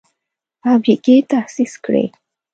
فابریکې تاسیس کړي.